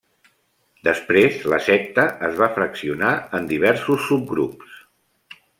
Després la secta es va fraccionar en diversos subgrups.